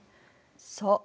そう。